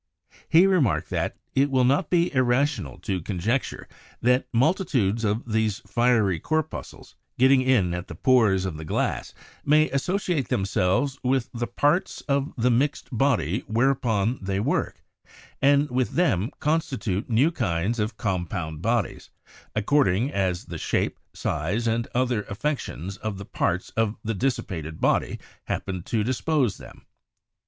He remarked that, "It will not be irrational to conjecture that multitudes of these fiery corpuscles, getting in at the pores of the glass, may associate themselves with the parts of the mixt body whereon they work, and with them constitute new kinds of compound bodies, according as the shape, size and other affections of the parts of the dissipated body happen to dispose them.